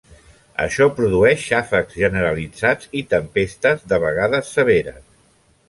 Això produeix xàfecs generalitzats i tempestes, de vegades severes.